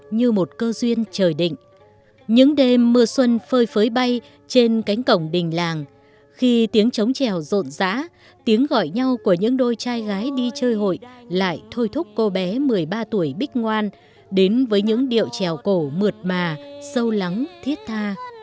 những đêm mưa xuân phơi phới bay trên cánh cổng đình làng khi tiếng trống trèo rộn rã tiếng gọi nhau của những đôi trai gái đi chơi hội lại thôi thúc cô bé một mươi ba tuổi bích ngoan đến với những điệu trèo cổ mượt mà sâu lắng thiết tha